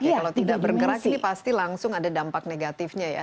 kalau tidak bergerak ini pasti langsung ada dampak negatifnya ya